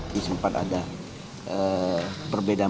di sempat ada perbedaan